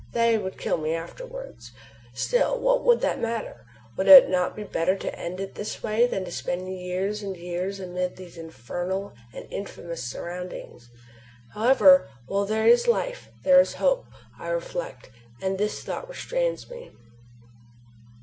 They would kill me afterwards. Still, what would that matter! Would it not be better to end in this way than to spend years and years amid these infernal and infamous surroundings? However, while there is life there is hope, I reflect, and this thought restrains me.